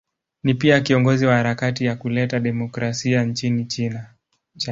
Ni pia kiongozi wa harakati ya kuleta demokrasia nchini China.